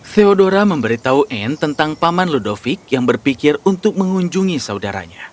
theodora memberitahu anne tentang paman ludovic yang berpikir untuk mengunjungi saudaranya